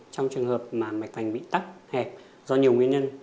trong trường hợp mà mạch vành bị tắt hẹp do nhiều nguyên nhân